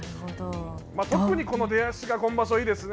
特にこの出足が今場所はいいですね。